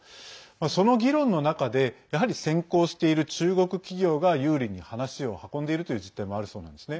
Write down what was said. その議論の中でやはり先行している中国企業が有利に話を運んでいるという実態もあるそうなんですね。